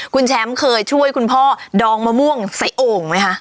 คุณแชมป์เคยช่วยคุณพ่อดองมะม่วงใส่โอ่งไหมคะ